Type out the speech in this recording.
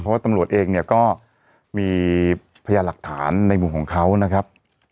เพราะว่าตำรวจเองเนี่ยก็มีพยานหลักฐานในมุมของเขานะครับ